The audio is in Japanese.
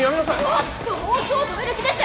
おっと放送を止める気です！